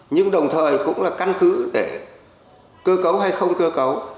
nhưng đồng thời cũng là căn cứ để cơ cấu hay không cơ cấu